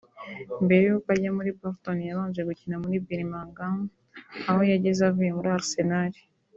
mbere y’uko ajya muri Bolton yabanje gukina muri Birmingham aho yageze avuye muri Arsenal